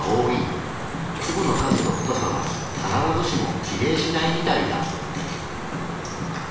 粒の数と太さは必ずしも比例しないみたいだ。